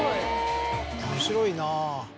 面白いなぁ。